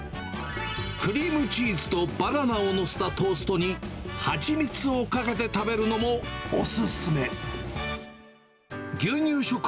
クリームチーズとバナナを載せたトーストに、蜂蜜をかけて食べるのもお勧め。